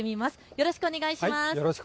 よろしくお願いします。